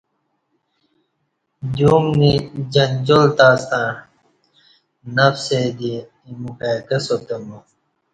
دیوامنی جنجال تاستݩع نفس دی ایمو کائی کہ ساتہ مو